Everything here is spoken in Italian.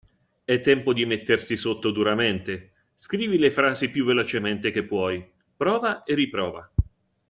È tempo di mettersi sotto duramente, scrivi le frasi più velocemente che puoi, prova e riprova.